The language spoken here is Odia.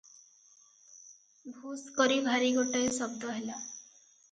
ଭୁଷ୍ କରି ଭାରି ଗୋଟାଏ ଶବ୍ଦ ହେଲା ।